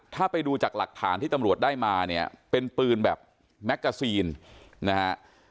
ถ้าไปดูจากหลักฐานที่ตำรวจได้มาเนี่ยเป็นปืนแบบแมกกาซีนนะฮะ